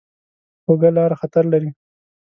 کوږه لاره خطر لري